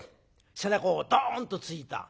背中をドンと突いた。